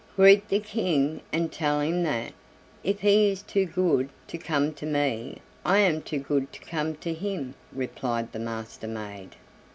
"Greet the King, and tell him that, if he is too good to come to me, I am too good to come to him," replied the Master maid.